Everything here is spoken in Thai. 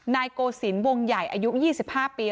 นายโกศิลปวงใหญ่อายุ๒๕ปี